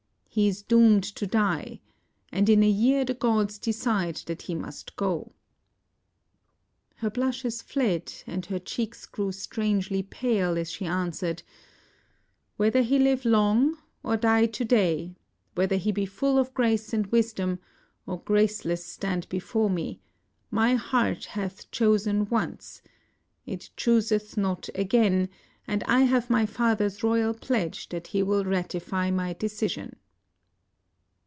He is doomed to die, and in a year the gods decide that he must go," Her blushes fled and her cheeks grew strangely pale as she answered: ''Whether he live long or die to day, whether he be full of grace and wisdom, or graceless stand before me, my heart hath chosen once — it chooseth not again, and I have my father's royal pledge that he will ratify my decision."